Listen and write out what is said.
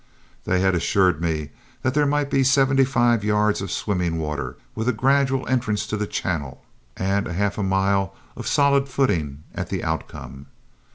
They had assured me that there might be seventy five yards of swimming water, with a gradual entrance to the channel and a half mile of solid footing at the outcome.